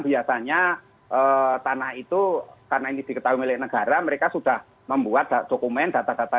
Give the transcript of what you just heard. biasanya tanah itu karena ini diketahui milik negara mereka sudah membuat dokumen data data